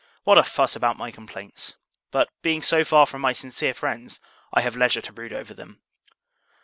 What a fuss about my complaints! But, being so far from my sincere friends, I have leisure to brood over them.